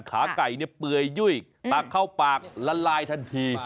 ขาไก่เปื่อยยุ่ยตักเข้าปากละลายทันที